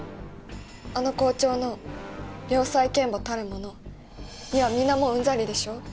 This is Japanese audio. あの校長の「良妻賢母たるもの」にはみんなもううんざりでしょ？